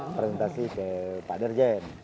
presentasi ke pak derjen